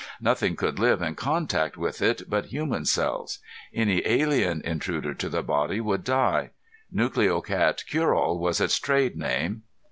Nothing could live in contact with it but human cells; any alien intruder to the body would die. Nucleocat Cureall was its trade name.